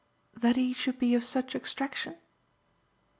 "That he should be of such extraction?"